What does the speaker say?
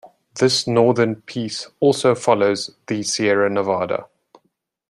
This northern piece also follows the Sierra Nevada.